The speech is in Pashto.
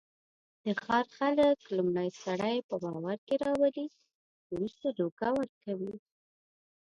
د ښار خلک لومړی سړی په باورکې راولي، ورسته دوکه ورکوي.